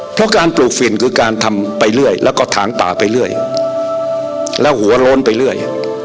เพราะการปลูกฝิ่นคือการทำไปเรื่อยแล้วก็ถางป่าไปเรื่อยแล้วหัวโล้นไปเรื่อย